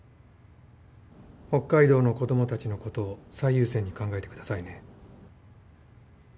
北海道の子供たちのことを最優先に考えてくださいね。